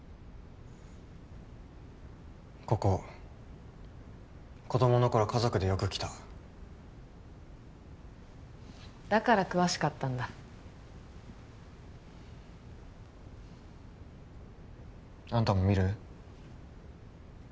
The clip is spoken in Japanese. ここ子供の頃家族でよく来ただから詳しかったんだあんたも見る？